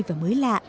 và mới lạ